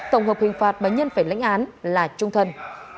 tổng hợp hình phạt bà nhân phải lãnh án là trung thân